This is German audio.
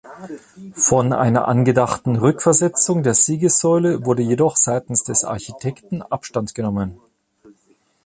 Von einer angedachten Rückversetzung der Siegessäule wurde jedoch seitens des Architekten Abstand genommen.